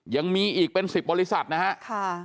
ยังมีอีกเป็น๑๐บริษัทนะครับ